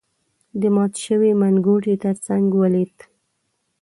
د مات شوی منګوټي تر څنګ ولید.